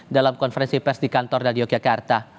dalam konferensi pers di kantor radio kekarta